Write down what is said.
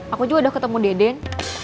aku juga udah ketemu deden